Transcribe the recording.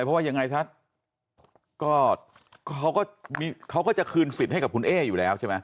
เพราะว่ายังไงซะก็เขาก็จะคืนสิทธิ์ให้กับคุณเอ๊อยู่แล้วใช่ไหม